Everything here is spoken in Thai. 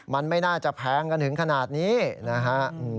มันไม่น่าจะแพงกันถึงขนาดนี้นะฮะ